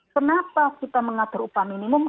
kenapa kita mengatur upah minimum